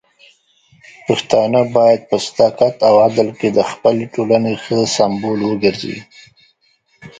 پښتانه بايد په صداقت او عدل کې د خپلې ټولنې ښه سمبول وګرځي.